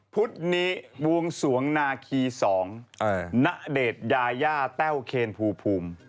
ภูตหนี้วงสวงนาคี๒ณเดรธยายาแต่วเขนภูพุม